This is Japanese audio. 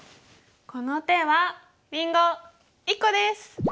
この手はりんご１個です！